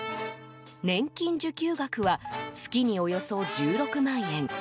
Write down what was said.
年金受給額は月におよそ１６万円。